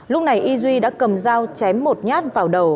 lúc này y duy đã cầm dao chém một nhát vào đầu